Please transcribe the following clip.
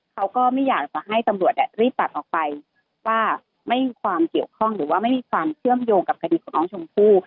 เขาก็ไม่อยากจะให้ตำรวจรีบตัดออกไปว่าไม่มีความเกี่ยวข้องหรือว่าไม่มีความเชื่อมโยงกับคดีของน้องชมพู่